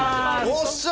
よっしゃ！